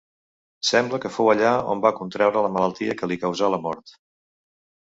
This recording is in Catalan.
Sembla que fou allà on va contraure la malaltia que li causà la mort.